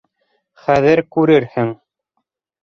- Хәҙер күрерһең...